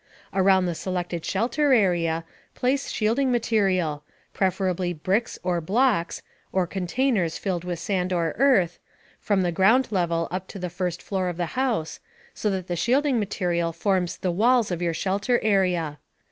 Around the selected shelter area, place shielding material preferably bricks or blocks, or containers filled with sand or earth from the ground level up to the first floor of the house, so that the shielding material forms the "walls" of your shelter area.